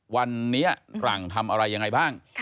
วันนี้หลังทำอะไรยังไงบ้าง